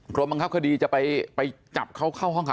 บังคับคดีจะไปจับเขาเข้าห้องขัง